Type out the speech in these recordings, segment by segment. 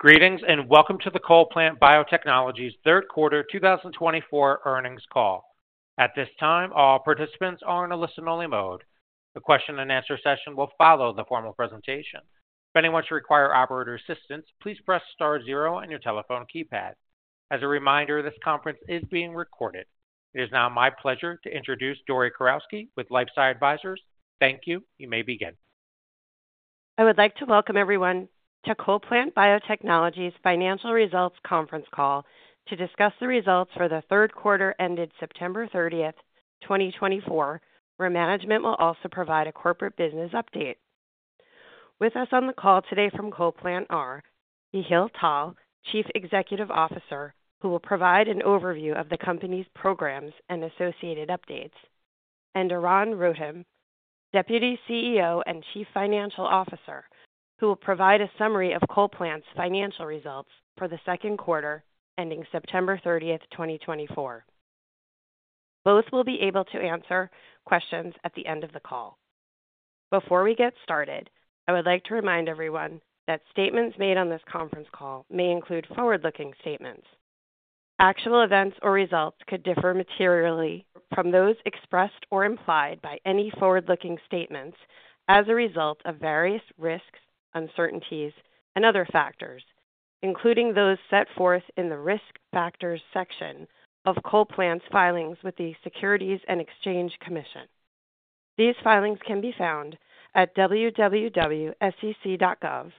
Greetings and welcome to the CollPlant Biotechnologies third quarter 2024 earnings call. At this time, all participants are in a listen-only mode. The question-and-answer session will follow the formal presentation. If anyone should require operator assistance, please press star zero on your telephone keypad. As a reminder, this conference is being recorded. It is now my pleasure to introduce Dory Kurowski with LifeSci Advisors. Thank you. You may begin. I would like to welcome everyone to CollPlant Biotechnologies financial results conference call to discuss the results for the third quarter ended September 30, 2024, where management will also provide a corporate business update. With us on the call today from CollPlant are Yehiel Tal, Chief Executive Officer, who will provide an overview of the company's programs and associated updates, and Eran Rotem, Deputy CEO and Chief Financial Officer, who will provide a summary of CollPlant's financial results for the second quarter ending September 30, 2024. Both will be able to answer questions at the end of the call. Before we get started, I would like to remind everyone that statements made on this conference call may include forward-looking statements. Actual events or results could differ materially from those expressed or implied by any forward-looking statements as a result of various risks, uncertainties, and other factors, including those set forth in the risk factors section of CollPlant's filings with the Securities and Exchange Commission. These filings can be found at www.sec.gov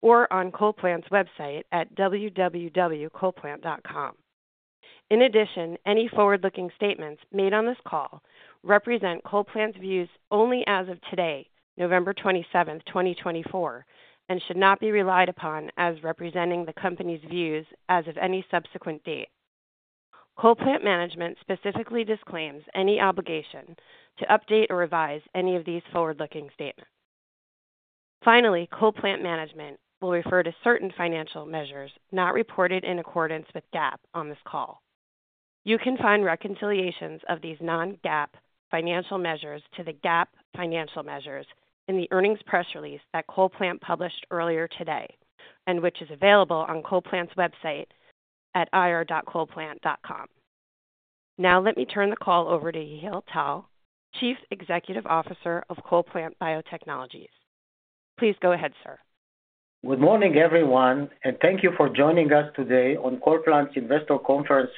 or on CollPlant's website at www.collplant.com. In addition, any forward-looking statements made on this call represent CollPlant's views only as of today, November 27, 2024, and should not be relied upon as representing the company's views as of any subsequent date. CollPlant management specifically disclaims any obligation to update or revise any of these forward-looking statements. Finally, CollPlant management will refer to certain financial measures not reported in accordance with GAAP on this call. You can find reconciliations of these non-GAAP financial measures to the GAAP financial measures in the earnings press release that CollPlant published earlier today and which is available on CollPlant's website at ir.collplant.com. Now, let me turn the call over to Yehiel Tal, Chief Executive Officer of CollPlant Biotechnologies. Please go ahead, sir. Good morning, everyone, and thank you for joining us today on CollPlant's investor conference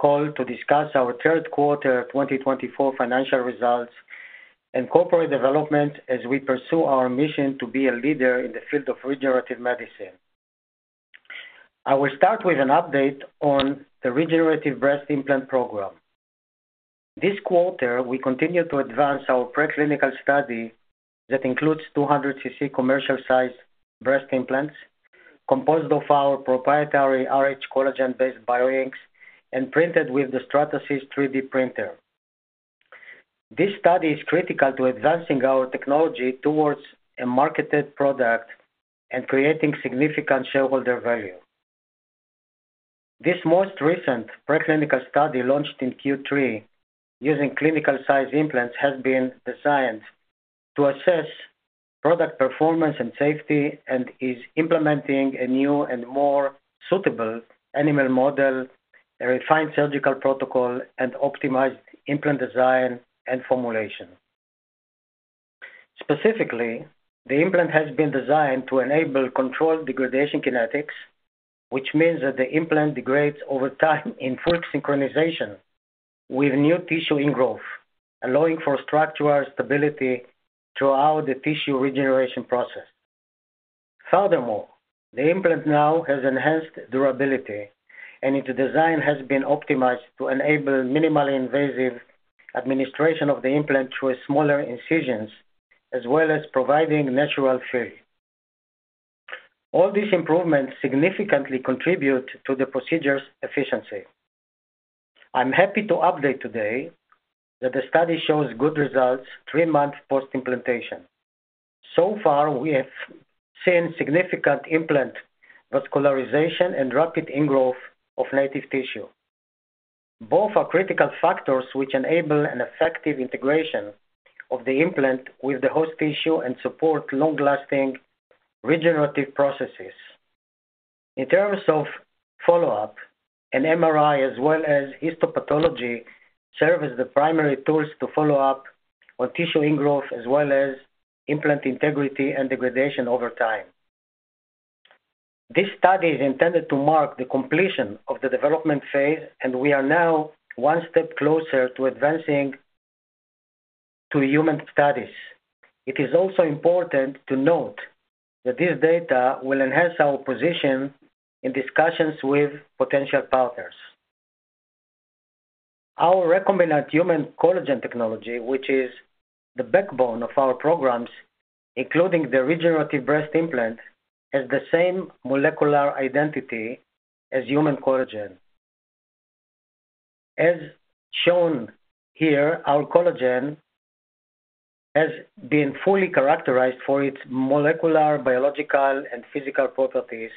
call to discuss our third quarter 2024 financial results and corporate development as we pursue our mission to be a leader in the field of regenerative medicine. I will start with an update on the regenerative breast implant program. This quarter, we continue to advance our preclinical study that includes 200 cc commercial-sized breast implants composed of our proprietary rhCollagen-based bioinks and printed with the Stratasys 3D printer. This study is critical to advancing our technology towards a marketed product and creating significant shareholder value. This most recent preclinical study launched in Q3 using clinical-sized implants has been designed to assess product performance and safety and is implementing a new and more suitable animal model, a refined surgical protocol, and optimized implant design and formulation. Specifically, the implant has been designed to enable controlled degradation kinetics, which means that the implant degrades over time in full synchronization with new tissue ingrowth, allowing for structural stability throughout the tissue regeneration process. Furthermore, the implant now has enhanced durability, and its design has been optimized to enable minimally invasive administration of the implant through smaller incisions, as well as providing natural fill. All these improvements significantly contribute to the procedure's efficiency. I'm happy to update today that the study shows good results three months post-implantation. So far, we have seen significant implant vascularization and rapid ingrowth of native tissue. Both are critical factors which enable an effective integration of the implant with the host tissue and support long-lasting regenerative processes. In terms of follow-up, an MRI as well as histopathology serve as the primary tools to follow up on tissue ingrowth as well as implant integrity and degradation over time. This study is intended to mark the completion of the development phase, and we are now one step closer to advancing to human studies. It is also important to note that this data will enhance our position in discussions with potential partners. Our recombinant human collagen technology, which is the backbone of our programs, including the regenerative breast implant, has the same molecular identity as human collagen. As shown here, our collagen has been fully characterized for its molecular, biological, and physical properties,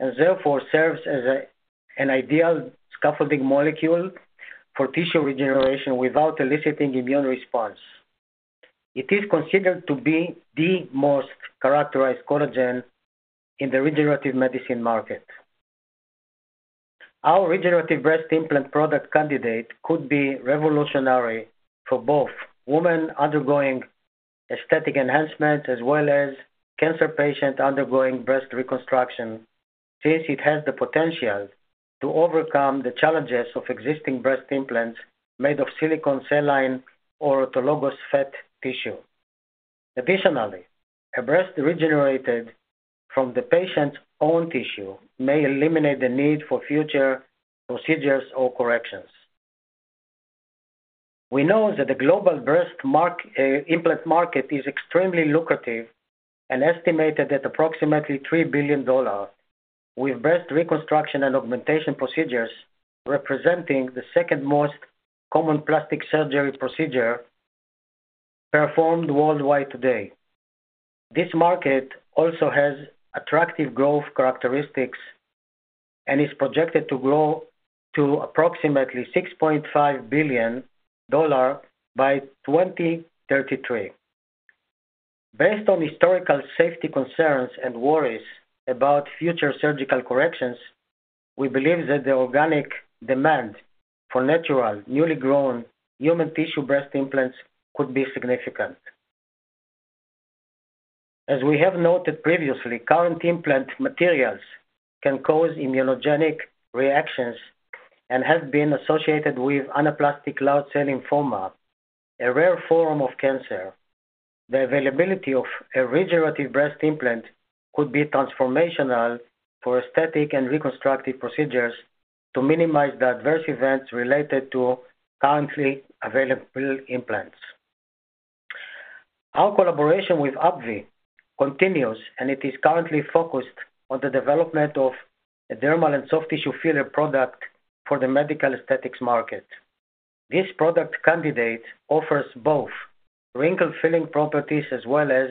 and therefore serves as an ideal scaffolding molecule for tissue regeneration without eliciting immune response. It is considered to be the most characterized collagen in the regenerative medicine market. Our regenerative breast implant product candidate could be revolutionary for both women undergoing aesthetic enhancement as well as cancer patients undergoing breast reconstruction, since it has the potential to overcome the challenges of existing breast implants made of silicone, saline, or autologous fat tissue. Additionally, a breast regenerated from the patient's own tissue may eliminate the need for future procedures or corrections. We know that the global breast implant market is extremely lucrative and estimated at approximately $3 billion, with breast reconstruction and augmentation procedures representing the second most common plastic surgery procedure performed worldwide today. This market also has attractive growth characteristics and is projected to grow to approximately $6.5 billion by 2033. Based on historical safety concerns and worries about future surgical corrections, we believe that the organic demand for natural, newly grown human tissue breast implants could be significant. As we have noted previously, current implant materials can cause immunogenic reactions and have been associated with anaplastic large cell lymphoma, a rare form of cancer. The availability of a regenerative breast implant could be transformational for aesthetic and reconstructive procedures to minimize the adverse events related to currently available implants. Our collaboration with AbbVie continues, and it is currently focused on the development of a dermal and soft tissue filler product for the medical aesthetics market. This product candidate offers both wrinkle-filling properties as well as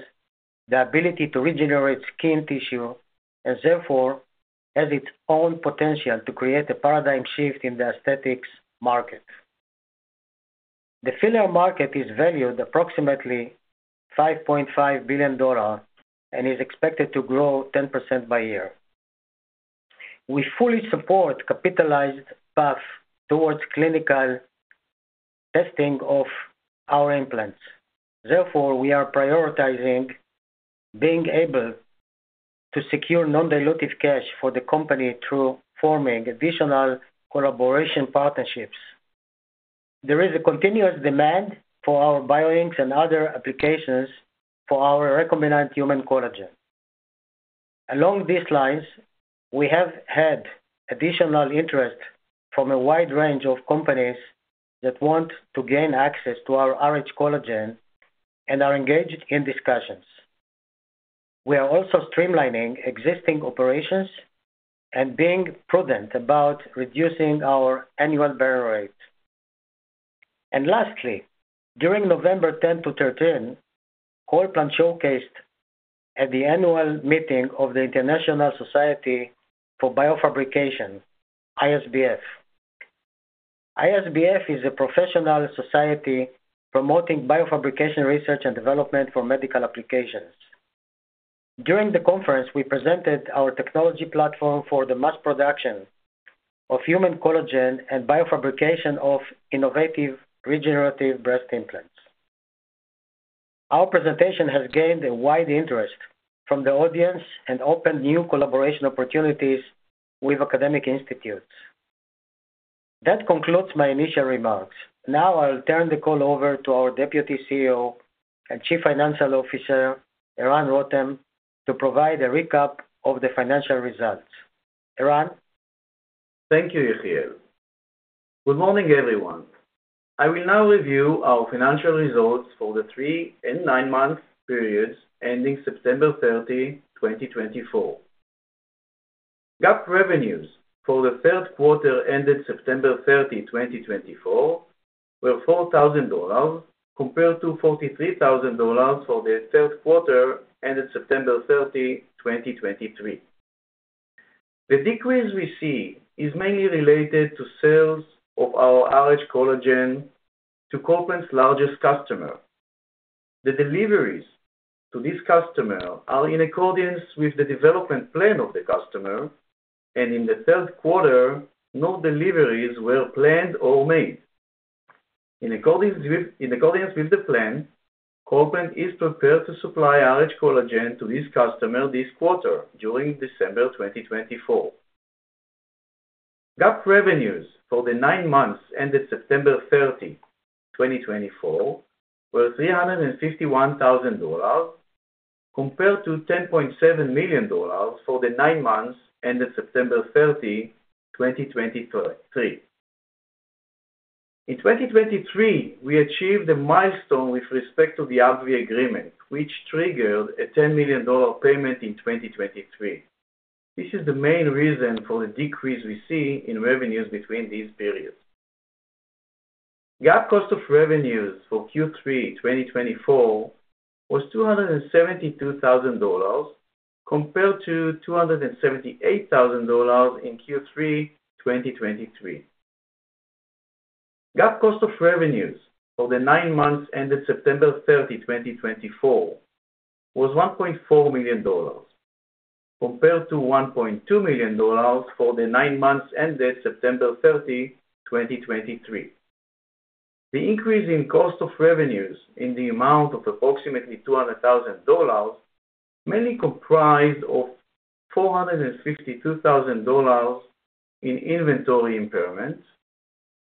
the ability to regenerate skin tissue and therefore has its own potential to create a paradigm shift in the aesthetics market. The filler market is valued at approximately $5.5 billion and is expected to grow 10% by year. We fully support capitalized path towards clinical testing of our implants. Therefore, we are prioritizing being able to secure non-dilutive cash for the company through forming additional collaboration partnerships. There is a continuous demand for our bioinks and other applications for our recombinant human collagen. Along these lines, we have had additional interest from a wide range of companies that want to gain access to our rhCollagen and are engaged in discussions. We are also streamlining existing operations and being prudent about reducing our annual burn rate. And lastly, during November 10-November 13, CollPlant showcased at the annual meeting of the International Society for Biofabrication, ISBF. ISBF is a professional society promoting biofabrication research and development for medical applications. During the conference, we presented our technology platform for the mass production of human collagen and biofabrication of innovative regenerative breast implants. Our presentation has gained a wide interest from the audience and opened new collaboration opportunities with academic institutes. That concludes my initial remarks. Now, I'll turn the call over to our Deputy CEO and Chief Financial Officer, Eran Rotem, to provide a recap of the financial results. Eran. Thank you, Yehiel. Good morning, everyone. I will now review our financial results for the three and nine-month periods ending September 30, 2024. GAAP revenues for the third quarter ended September 30, 2024, were $4,000 compared to $43,000 for the third quarter ended September 30, 2023. The decrease we see is mainly related to sales of our rhCollagen to CollPlant's largest customer. The deliveries to this customer are in accordance with the development plan of the customer, and in the third quarter, no deliveries were planned or made. In accordance with the plan, CollPlant is prepared to supply rhCollagen to this customer this quarter during December 2024. GAAP revenues for the nine months ended September 30, 2024, were $351,000 compared to $10.7 million for the nine months ended September 30, 2023. In 2023, we achieved a milestone with respect to the AbbVie agreement, which triggered a $10 million payment in 2023. This is the main reason for the decrease we see in revenues between these periods. GAAP cost of revenues for Q3 2024 was $272,000 compared to $278,000 in Q3 2023. GAAP cost of revenues for the nine months ended September 30, 2024, was $1.4 million compared to $1.2 million for the nine months ended September 30, 2023. The increase in cost of revenues in the amount of approximately $200,000 mainly comprised of $452,000 in inventory impairment,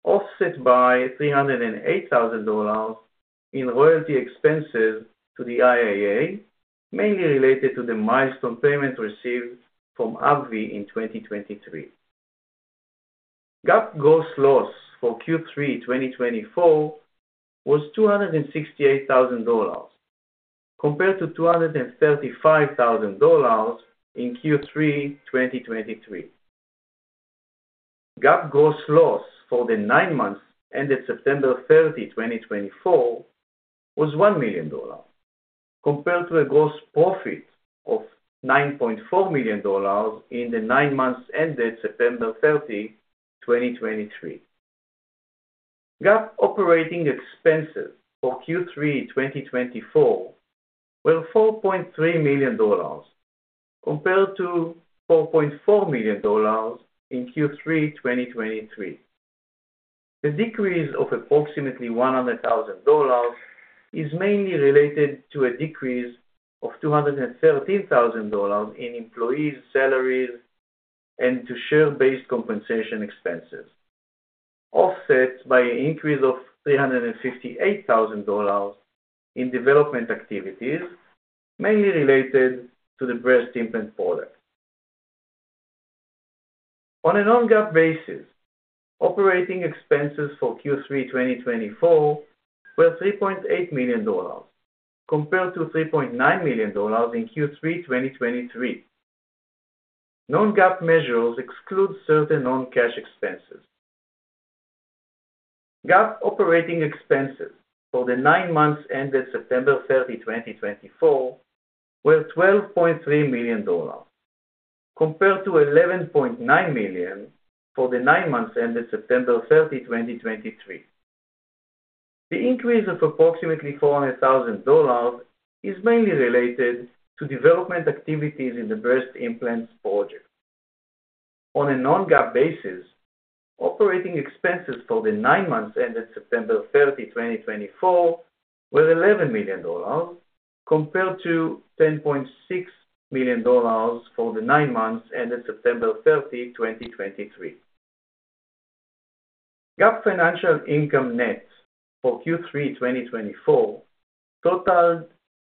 offset by $308,000 in royalty expenses to the IIA, mainly related to the milestone payment received from AbbVie in 2023. GAAP gross loss for Q3 2024 was $268,000 compared to $235,000 in Q3 2023. GAAP gross loss for the nine months ended September 30, 2024, was $1 million compared to a gross profit of $9.4 million in the nine months ended September 30, 2023. GAAP operating expenses for Q3 2024 were $4.3 million compared to $4.4 million in Q3 2023. The decrease of approximately $100,000 is mainly related to a decrease of $213,000 in employees' salaries and to share-based compensation expenses, offset by an increase of $358,000 in development activities, mainly related to the breast implant product. On a non-GAAP basis, operating expenses for Q3 2024 were $3.8 million compared to $3.9 million in Q3 2023. Non-GAAP measures exclude certain non-cash expenses. GAAP operating expenses for the nine months ended September 30, 2024, were $12.3 million compared to $11.9 million for the nine months ended September 30, 2023. The increase of approximately $400,000 is mainly related to development activities in the breast implant project. On a non-GAAP basis, operating expenses for the nine months ended September 30, 2024, were $11 million compared to $10.6 million for the nine months ended September 30, 2023. GAAP financial income net for Q3 2024 totaled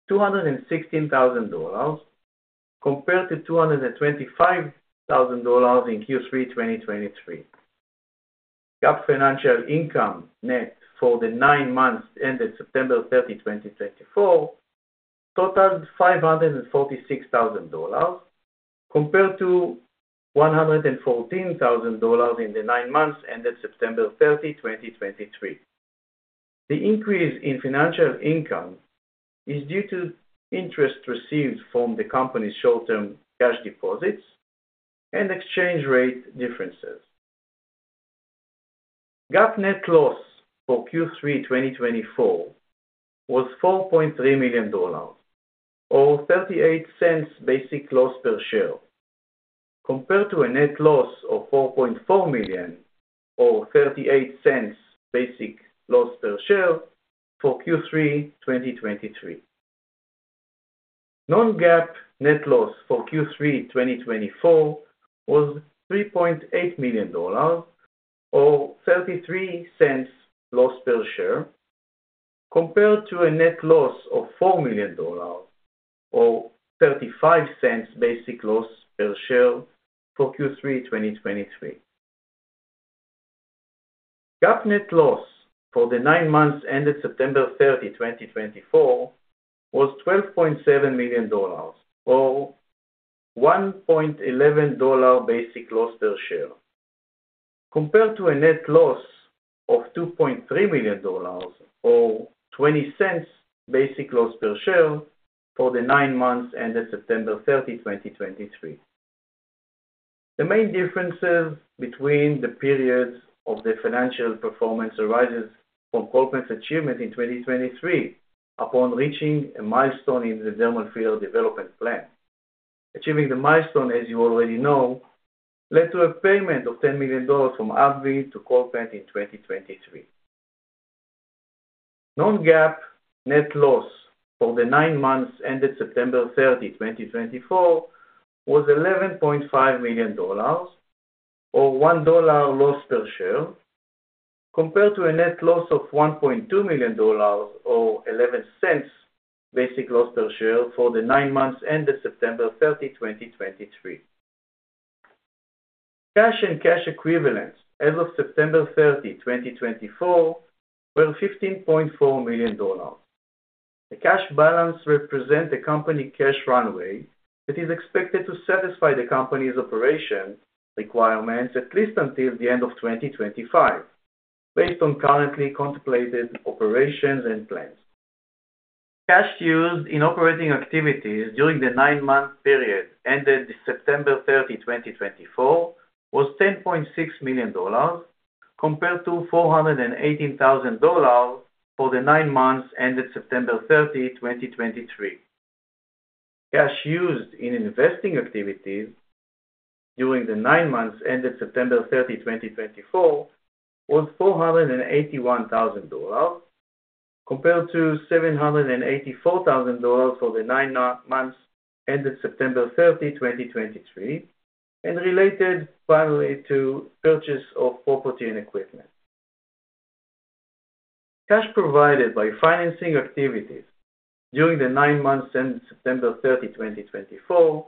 $216,000 compared to $225,000 in Q3 2023. GAAP financial income net for the nine months ended September 30, 2024, totaled $546,000 compared to $114,000 in the nine months ended September 30, 2023. The increase in financial income is due to interest received from the company's short-term cash deposits and exchange rate differences. GAAP net loss for Q3 2024 was $4.3 million, or $0.38 basic loss per share, compared to a net loss of $4.4 million, or $0.38 basic loss per share for Q3 2023. Non-GAAP net loss for Q3 2024 was $3.8 million, or $0.33 loss per share, compared to a net loss of $4 million, or $0.35 basic loss per share for Q3 2023. GAAP net loss for the nine months ended September 30, 2024, was $12.7 million, or $1.11 basic loss per share, compared to a net loss of $2.3 million, or $0.20 basic loss per share for the nine months ended September 30, 2023. The main differences between the periods of the financial performance arise from CollPlant's achievement in 2023 upon reaching a milestone in the dermal filler development plan. Achieving the milestone, as you already know, led to a payment of $10 million from AbbVie to CollPlant in 2023. Non-GAAP net loss for the nine months ended September 30, 2024, was $11.5 million, or $1 loss per share, compared to a net loss of $1.2 million, or $0.11 basic loss per share for the nine months ended September 30, 2023. Cash and cash equivalents as of September 30, 2024, were $15.4 million. The cash balance represents the company cash runway that is expected to satisfy the company's operation requirements at least until the end of 2025, based on currently contemplated operations and plans. Cash used in operating activities during the nine-month period ended September 30, 2024, was $10.6 million, compared to $418,000 for the nine months ended September 30, 2023. Cash used in investing activities during the nine months ended September 30, 2024, was $481,000 compared to $784,000 for the nine months ended September 30, 2023, and related primarily to purchase of property and equipment. Cash provided by financing activities during the nine months ended September 30, 2024,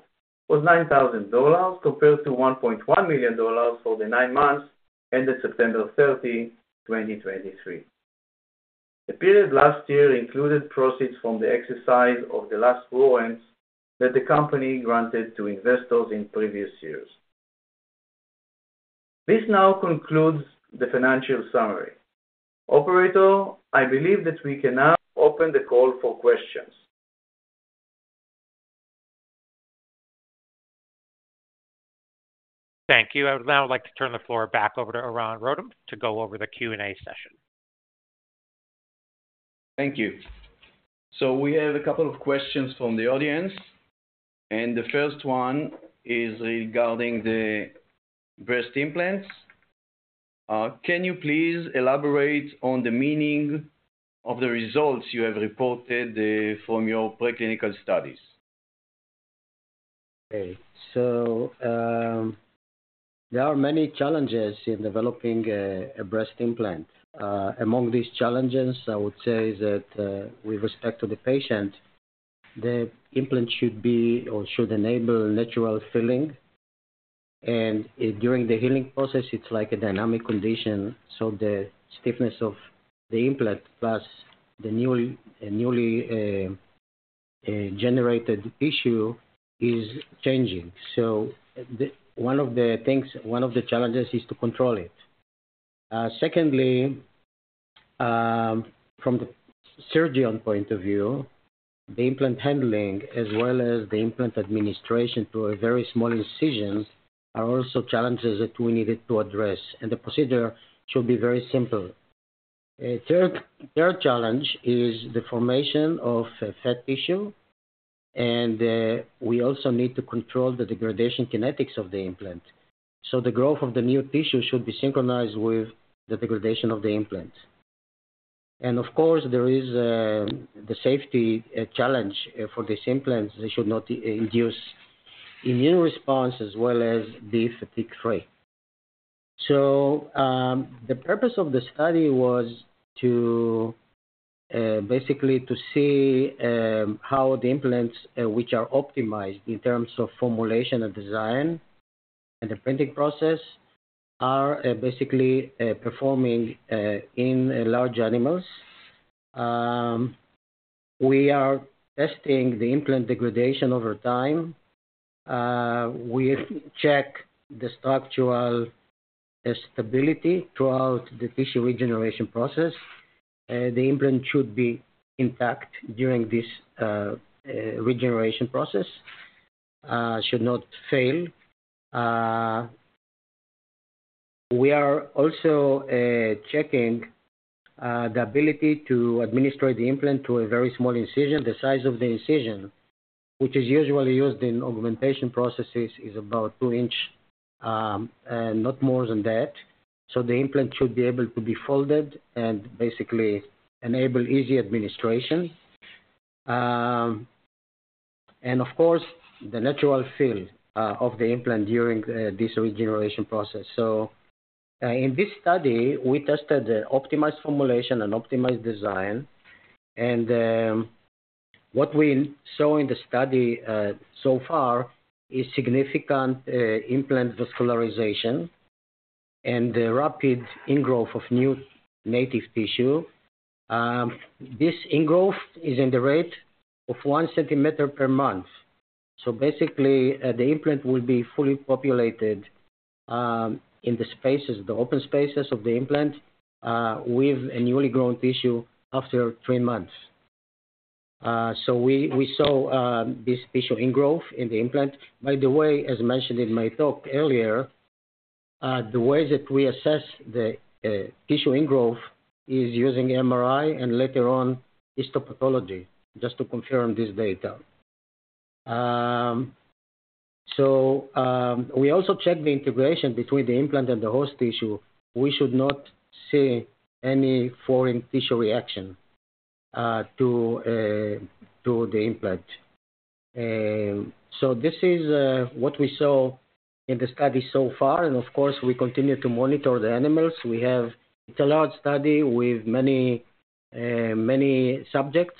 was $9,000 compared to $1.1 million for the nine months ended September 30, 2023. The period last year included profits from the exercise of the last warrants that the company granted to investors in previous years. This now concludes the financial summary. Operator, I believe that we can now open the call for questions. Thank you. I would now like to turn the floor back over to Eran Rotem to go over the Q&A session. Thank you. So we have a couple of questions from the audience. And the first one is regarding the breast implants. Can you please elaborate on the meaning of the results you have reported from your preclinical studies? Okay, so there are many challenges in developing a breast implant. Among these challenges, I would say that with respect to the patient, the implant should be or should enable natural filling, and during the healing process, it's like a dynamic condition, so the stiffness of the implant plus the newly generated tissue is changing, so one of the things, one of the challenges is to control it. Secondly, from the surgeon point of view, the implant handling as well as the implant administration through a very small incision are also challenges that we needed to address, and the procedure should be very simple. The third challenge is the formation of fat tissue, and we also need to control the degradation kinetics of the implant, so the growth of the new tissue should be synchronized with the degradation of the implant. Of course, there is the safety challenge for these implants. They should not induce immune response as well as be fatigue-free. The purpose of the study was basically to see how the implants, which are optimized in terms of formulation and design and the printing process, are basically performing in large animals. We are testing the implant degradation over time. We check the structural stability throughout the tissue regeneration process. The implant should be intact during this regeneration process, should not fail. We are also checking the ability to administer the implant through a very small incision. The size of the incision, which is usually used in augmentation processes, is about two inches, not more than that. The implant should be able to be folded and basically enable easy administration. Of course, the natural fill of the implant during this regeneration process. In this study, we tested the optimized formulation and optimized design. What we saw in the study so far is significant implant vascularization and rapid ingrowth of new native tissue. This ingrowth is in the rate of one centimeter per month. Basically, the implant will be fully populated in the spaces, the open spaces of the implant with a newly grown tissue after three months. We saw this tissue ingrowth in the implant. By the way, as mentioned in my talk earlier, the way that we assess the tissue ingrowth is using MRI and later on histopathology just to confirm this data. We also checked the integration between the implant and the host tissue. We should not see any foreign tissue reaction to the implant. This is what we saw in the study so far. Of course, we continue to monitor the animals. It's a large study with many subjects.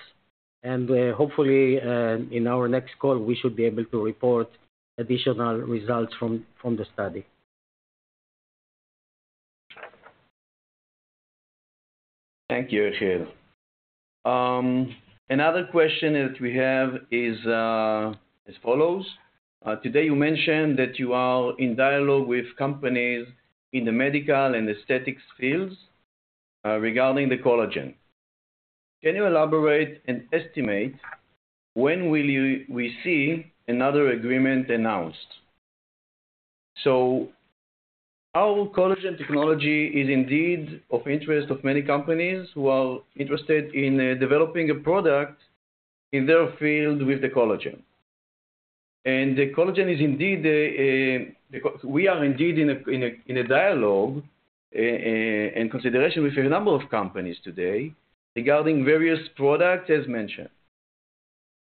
And hopefully, in our next call, we should be able to report additional results from the study. Thank you, Yehiel. Another question that we have is as follows. Today, you mentioned that you are in dialogue with companies in the medical and aesthetics fields regarding the collagen. Can you elaborate and estimate when will we see another agreement announced? So our collagen technology is indeed of interest to many companies who are interested in developing a product in their field with the collagen. And the collagen is indeed, we are indeed in a dialogue and consideration with a number of companies today regarding various products as mentioned.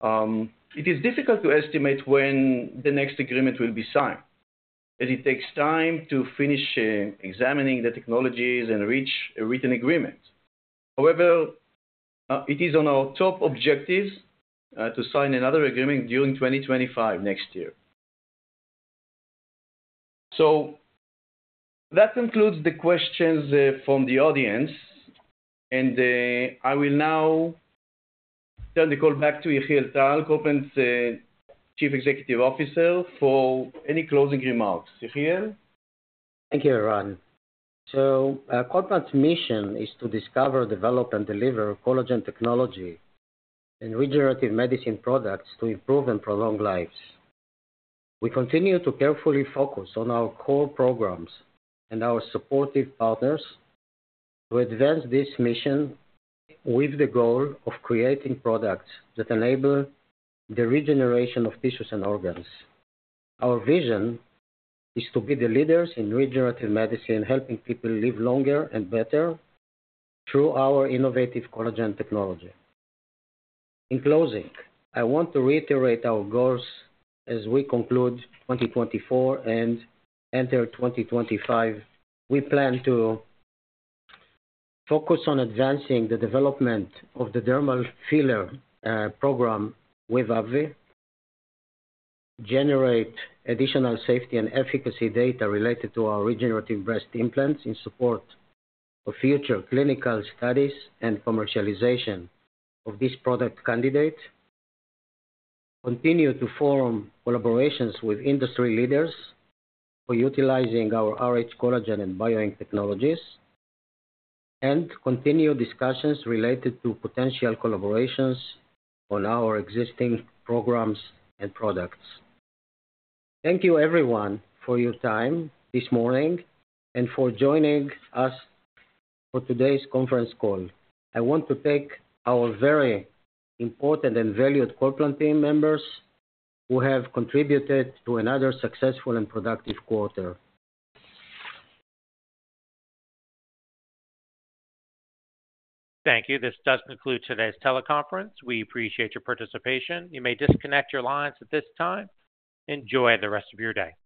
It is difficult to estimate when the next agreement will be signed as it takes time to finish examining the technologies and reach a written agreement. However, it is on our top objectives to sign another agreement during 2025 next year. So that concludes the questions from the audience. I will now turn the call back to Yehiel Tal, CollPlant Chief Executive Officer, for any closing remarks. Yehiel? Thank you, Eran. So CollPlant's mission is to discover, develop, and deliver collagen technology and regenerative medicine products to improve and prolong lives. We continue to carefully focus on our core programs and our supportive partners to advance this mission with the goal of creating products that enable the regeneration of tissues and organs. Our vision is to be the leaders in regenerative medicine, helping people live longer and better through our innovative collagen technology. In closing, I want to reiterate our goals as we conclude 2024 and enter 2025. We plan to focus on advancing the development of the dermal filler program with AbbVie, generate additional safety and efficacy data related to our regenerative breast implants in support of future clinical studies and commercialization of this product candidate, continue to form collaborations with industry leaders for utilizing our rhCollagen and biotechnologies, and continue discussions related to potential collaborations on our existing programs and products. Thank you, everyone, for your time this morning and for joining us for today's conference call. I want to thank our very important and valued CollPlant team members who have contributed to another successful and productive quarter. Thank you. This does conclude today's teleconference. We appreciate your participation. You may disconnect your lines at this time. Enjoy the rest of your day.